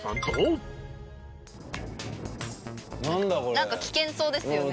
なんか危険そうですよね。